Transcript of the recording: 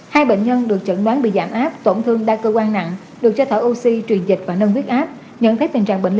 hai bệnh nhân được chẩn đoán bị giảm áp tổn thương đa cơ quan nặng được cho thở oxy truyền dịch và nâng huyết áp